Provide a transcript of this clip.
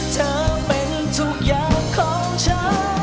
เธอเป็นทุกอย่างของเธอ